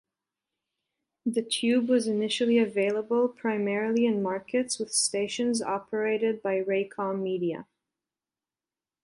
The Tube was initially available primarily in markets with stations operated by Raycom Media.